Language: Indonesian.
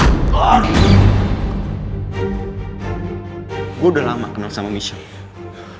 aku udah lama kenal sama michelle